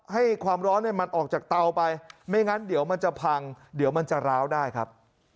ให้ความร้อนมันออกจากเตาไปไม่งั้นเดี๋ยวมันจะพังเดี๋ยวมันจะร้าวได้ครับ